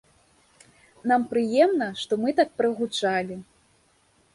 Нам прыемна, што мы так прагучалі.